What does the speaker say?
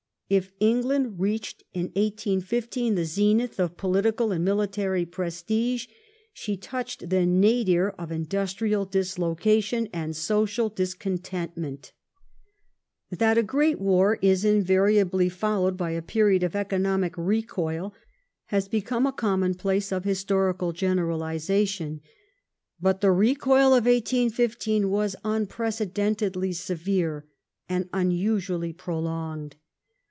If England Economic reached in 1815 the zenith of political and military prestige, she ^'^^"^^^^.. touched the nadir of industrial dislocation and social discontent, unrest That a great war is invariably followed by a period of economic recoil has become a commonplace of historical generalization. But the recoil of 1815 was unprecedentedly severe and unusually pro longed.